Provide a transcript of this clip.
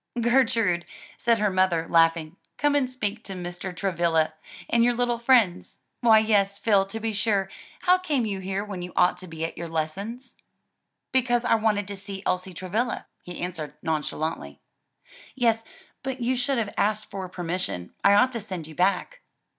"Gertude," said her mother, laughing "come and speak to Mr. Travilla and your little friends. Why yes, Phil, to be sure; how came you here when you ought to be at your lessons?" "Because I wanted to see Elsie Travilla," he answered nonchalantly. "Yes, but you should have asked for permission. I ought to send you back."